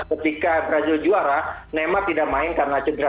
ketika brazil juara neymar tidak main karena cedera